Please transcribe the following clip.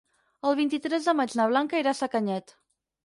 El vint-i-tres de maig na Blanca irà a Sacanyet.